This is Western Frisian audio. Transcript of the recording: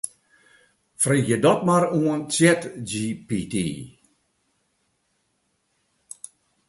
Freegje dat mar oan Chatgpt.